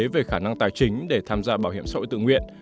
về khả năng tài chính để tham gia bảo hiểm xã hội tự nguyện